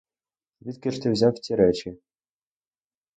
Звідки ж ти взяв ці речі?